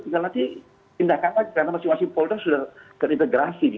tinggal nanti pindahkan lagi karena masing masing polda sudah terintegrasi